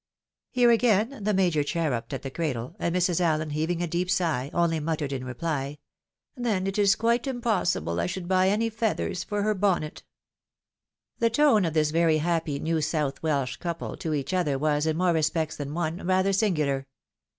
" Here again the Major cherupped at the cradle, and Mrs. AUen, heaving a deep sigh, only muttered in reply, " Then it is quite impossible I should buy any feathers for her bonnet !" The tone of this very happy New South Welsh couple to each other was, in more respects than one, rather singular.